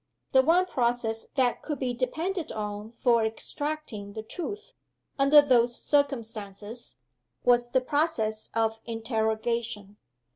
The one process that could be depended on for extracting the truth, under those circumstances, was the process of interrogation.